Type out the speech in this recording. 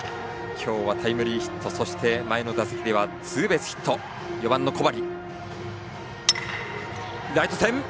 今日はタイムリーヒットそして前の打席ではツーベースヒット、４番の小針。